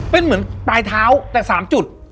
เป็นเหมือนปลายเท้าแต่๓จุด